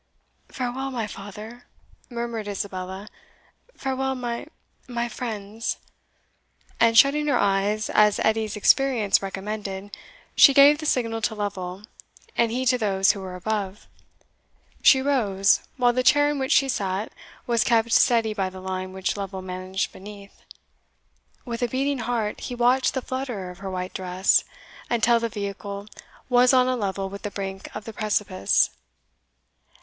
"Farewell, my father!" murmured Isabella "farewell, my my friends!" and shutting her eyes, as Edie's experience recommended, she gave the signal to Lovel, and he to those who were above. She rose, while the chair in which she sate was kept steady by the line which Lovel managed beneath. With a beating heart he watched the flutter of her white dress, until the vehicle was on a level with the brink of the precipice.